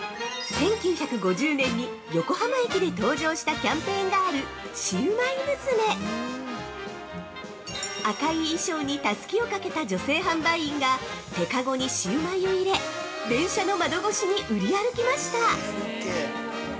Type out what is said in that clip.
１９５０年に横浜駅で登場したキャンペーンガール「シウマイ娘」赤い衣装にタスキをかけた女性販売員が、手かごにシウマイを入れ、電車の窓越しに売り歩きました。